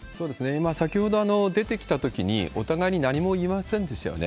今先ほど出てきたときに、お互いに何も言いませんでしたよね。